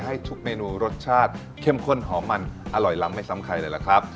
ให้ทุกเมนูรสชาติเข้มข้นหอมมันอร่อยล้ำไม่ซ้ำใครเลยล่ะครับ